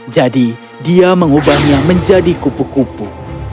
jadi dia mengubahnya menjadi kupu kupu